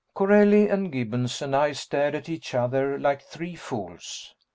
Corelli and Gibbons and I stared at each other like three fools.